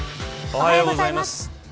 おはようございます。